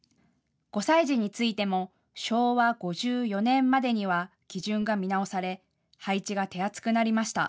５歳児についても昭和５４年までには基準が見直され配置が手厚くなりました。